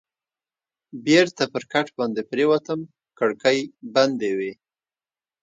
بېرته پر کټ باندې پرېوتم، کړکۍ بندې وې.